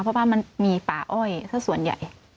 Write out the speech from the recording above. เพราะว่ามันมีป่าอ้อยส่วนใหญ่